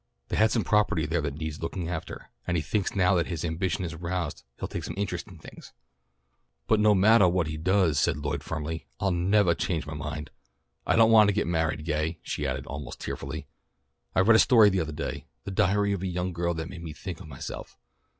They have some property there that needs looking after, and he thinks now that his ambition is roused he'll take some interest in things." "But no mattah what he does," said Lloyd firmly, "I'll nevah change my mind. I don't want to get married, Gay," she added almost tearfully. "I read a story the othah day, the diary of a young girl that made me think of myself.